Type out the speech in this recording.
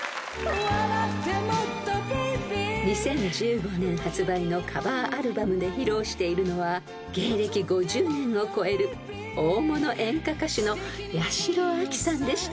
［２０１５年発売のカバーアルバムで披露しているのは芸歴５０年を超える大物演歌歌手の八代亜紀さんでした］